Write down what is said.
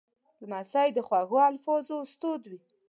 لمسی د خوږو الفاظو استاد وي.